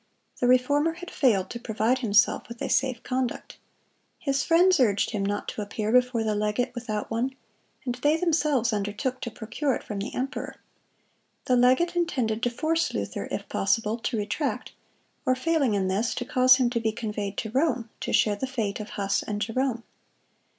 The Reformer had failed to provide himself with a safe conduct. His friends urged him not to appear before the legate without one, and they themselves undertook to procure it from the emperor. The legate intended to force Luther, if possible, to retract, or, failing in this, to cause him to be conveyed to Rome, to share the fate of Huss and Jerome.